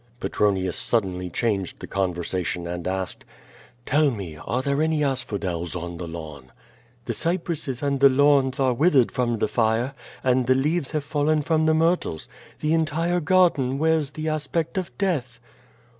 Petronius suddenly changed the conversation and asked: "Tell me, are there any asphodels on the lawns?" "The cypresses and the lawns are withered from the fire, and the leaves have fallen from the myrtles. The entire garden wears the aspect of death."